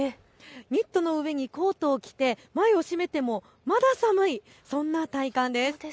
ニットの上にコートを着て前を閉めてもまだ寒いそんな体感です。